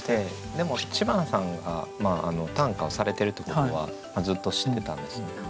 でも知花さんが短歌をされてるってことはずっと知ってたんですね。